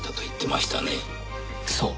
そう。